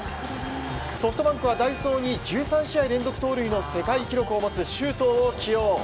ソフトバンクは代走に１３試合連続盗塁の世界記録を持つ周東を起用。